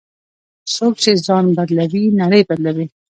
څوک چې ځان بدلوي، نړۍ بدلوي.